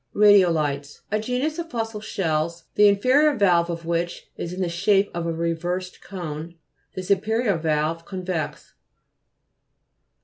RA'DIOLITES A genus of fossil shells ; the inferior valve of which is in the shape of a reversed cone, the superior valve convex (p.